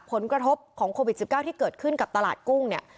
ผลกระทบของโควิด๑๙ที่เกิดขึ้นกับตลาดกุ้งเนี่ย